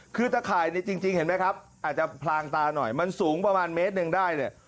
คือตะข่ายนี่จริงเห็นไหมครับอาจจะพลางตาหน่อยมันสูงประมาณเมตรหนึ่งได้เนี่ย